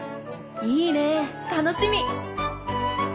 いいね楽しみ！